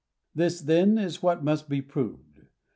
This, then, is what must be proved.